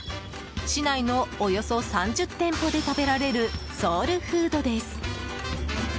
市内のおよそ３０店舗で食べられるソウルフードです。